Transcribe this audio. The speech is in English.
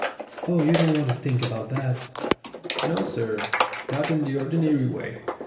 "Oh, you don't want to think about that." "No, sir not in the ordinary way.